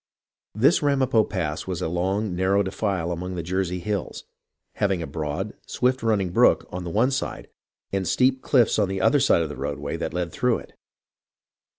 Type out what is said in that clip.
This Ramapo Pass was a long, narrow defile among the Jersey hills, having a broad, swift running brook on one side and steep cliffs on the other side of the roadway that led through it.